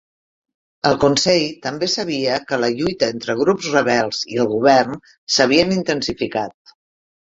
El Consell també sabia que la lluita entre grups rebels i el govern s'havien intensificat.